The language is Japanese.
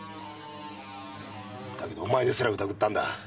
〔だけどお前ですら疑ったんだ〕